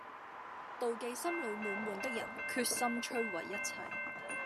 妒忌心裏滿滿的人，決心摧毀一切